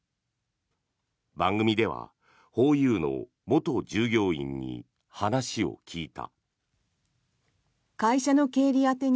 番組ではホーユーの元従業員に話を聞いた。